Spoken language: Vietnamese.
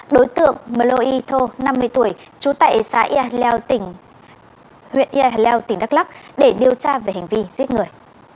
đối tượng melo ito năm mươi tuổi trú tại xã ia leo huyện ia leo tỉnh đắk lắk để điều tra về hành vi giết người